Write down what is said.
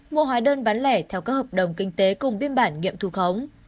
mua hóa đơn bán lẻ theo các hợp đồng kinh tế cùng biên bản nghiệm thu khống